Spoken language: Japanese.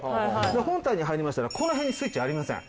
本体に入りましたらこの辺にスイッチありません。